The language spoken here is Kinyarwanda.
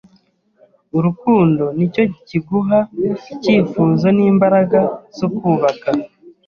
Urukundo nicyo kiguha icyifuzo n'imbaraga zo kubaka.